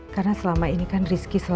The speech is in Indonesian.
saat ini deutlich kepercayaan saya sama rizky